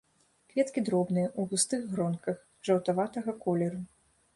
Кветкі дробныя, у густых гронках, жаўтаватага колеру.